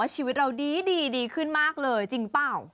ชีวิตเราดีดีขึ้นมากเลยจริงเปล่า